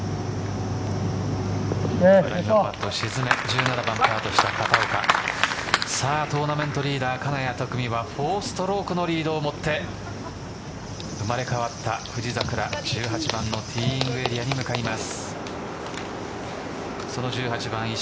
沈めて１７番をパーとした片岡と金谷は４ストロークのリードを持って生まれ変わった富士桜１８番のティーイングエリアに向かいます。